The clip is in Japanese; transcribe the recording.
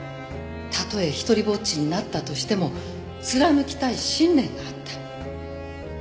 たとえ独りぼっちになったとしても貫きたい信念があった。